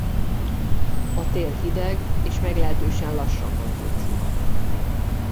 A tél hideg és meglehetősen lassan mond búcsút.